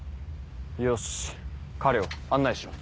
よし河了案内しろ。